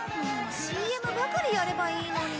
ＣＭばかりやればいいのに。